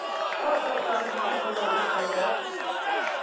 art not thou he, O LORD our God?